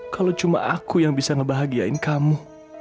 kalau cuma aku yang bisa ngebahagiain kamu